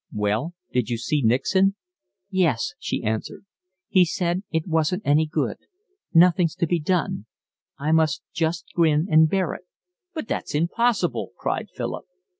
"Well? Did you see Nixon?" "Yes," she answered. "He said it wasn't any good. Nothing's to be done. I must just grin and bear it." "But that's impossible," cried Philip.